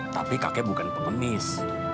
tapi kakek bukan pengemis